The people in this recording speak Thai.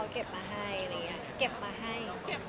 เขาเก็บมาให้